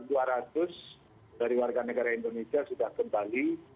dan sekitar dua ratus dari warga negara indonesia sudah kembali